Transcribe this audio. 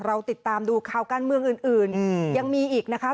เราติดตามดูข่าวการเมืองอื่นยังมีอีกนะคะ